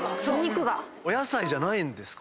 お野菜じゃないんですか？